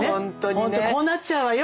ほんとこうなっちゃうわよ。